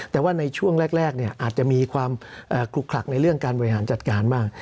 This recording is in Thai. แต่ว่าในช่วงแรกอาจจะมีความคลุกคลักในเรื่องการบริหารจัดการมาก